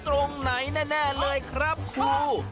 ตรงไหนแน่เลยครับครู